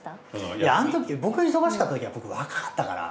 いやあんとき僕が忙しかったときは僕若かったから。